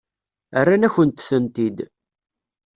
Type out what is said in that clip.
Rran-akent-tent-id.